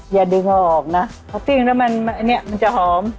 อย่าดึงเอาออกนะพอปิ้งแล้วมันอันนี้มันจะหอม